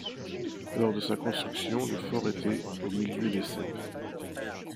Lors de sa construction, le fort était au milieu des ceps.